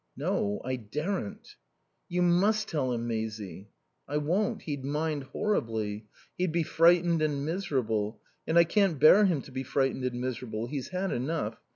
"No; I daren't." "You must tell him, Maisie." "I won't. He'd mind horribly. He'd be frightened and miserable, and I can't bear him to be frightened and miserable. He's had enough.